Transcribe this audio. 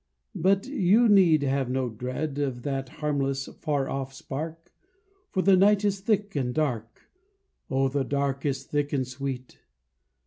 But you need have no dread Of that harmless, far off spark; For the night is thick and dark, O the dark is thick and sweet!